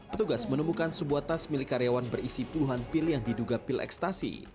petugas menemukan sebuah tas milik karyawan berisi puluhan pil yang diduga pil ekstasi